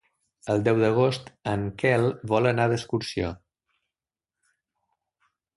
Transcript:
El deu d'agost en Quel vol anar d'excursió.